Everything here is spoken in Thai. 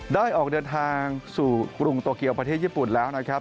ได้ออกเดินทางสู่กรุงโตเกียวประเทศญี่ปุ่นแล้วนะครับ